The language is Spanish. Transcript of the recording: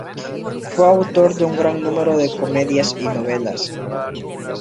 Fue autor de un gran número de comedias y novelas.